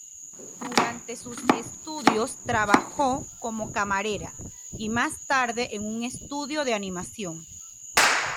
Durante sus estudios trabajó como camarera y, más tarde, en un estudio de animación.